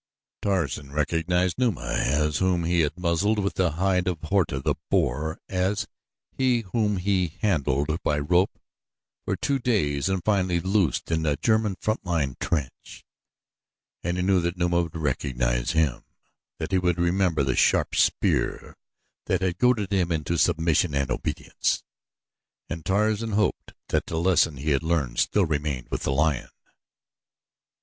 Tarzan recognized Numa as he whom he had muzzled with the hide of Horta, the boar as he whom he handled by a rope for two days and finally loosed in a German front line trench, and he knew that Numa would recognize him that he would remember the sharp spear that had goaded him into submission and obedience and Tarzan hoped that the lesson he had learned still remained with the lion.